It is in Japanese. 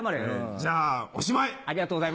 じゃあおしまい！